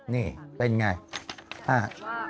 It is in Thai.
นี่เป็นอย่างไร